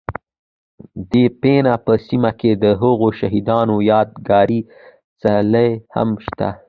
، د پنه په سیمه کې دهغو شهید انو یاد گاري څلی هم شته